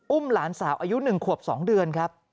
หลานสาวอายุ๑ขวบ๒เดือนครับ